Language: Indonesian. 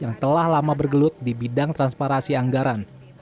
yang telah lama bergelut di bidang transparansi anggaran